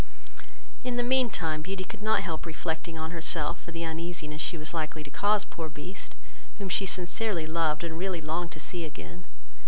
In the mean time, Beauty could not help reflecting on herself for the uneasiness she was likely to cause poor Beast, whom she sincerely loved, and really longed to see again.